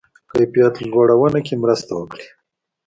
کیفیت لوړونه کې مرسته وکړي.